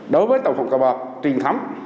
đối với tổ phòng cơ bạc truyền thống